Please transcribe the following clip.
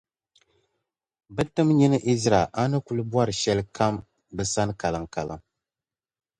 bɛ tim’ nyin’ Ɛzra a ni kul bɔri shɛlikam bɛ sani kaliŋkaliŋ.